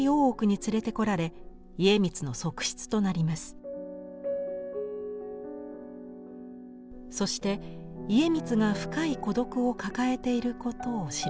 そして家光が深い孤独を抱えていることを知るのです。